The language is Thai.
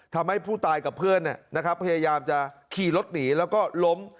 ทำให้ผู้ตายกับเพื่อนพยายามจะขี่รถหนีแล้วก็ล้ม